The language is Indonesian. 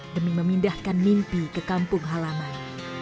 demi memindahkan mimpi ke kampung halaman